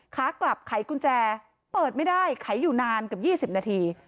ขากลับไขกุญแจเปิดไม่ได้ไขอยู่นานเกือบ๒๐นาที